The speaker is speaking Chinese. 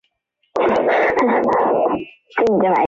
西南鬼灯檠为虎耳草科鬼灯檠属下的一个种。